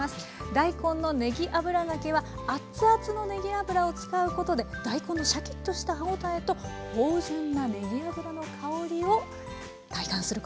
大根のねぎ油がけはあっつあつのねぎ油を使うことで大根のシャキッとした歯応えと芳じゅんなねぎ油の香りを体感することができます。